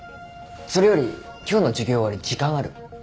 それより今日の授業終わり時間ある？